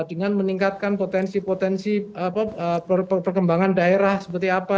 dengan meningkatkan potensi potensi perkembangan daerah seperti apa